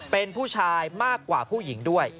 เป็นผู้ชายมากกว่าผู้หญิงด้วย